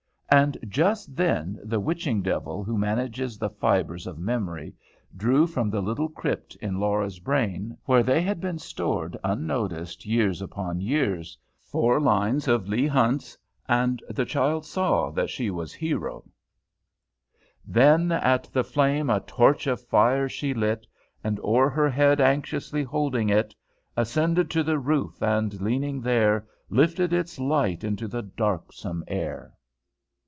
And just then the witching devil who manages the fibres of memory, drew from the little crypt in Laura's brain, where they had been stored unnoticed years upon years, four lines of Leigh Hunt's, and the child saw that she was Hero: "Then at the flame a torch of fire she lit, And, o'er her head anxiously holding it, Ascended to the roof, and, leaning there, Lifted its light into the darksome air."